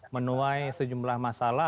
menuai sejumlah masalah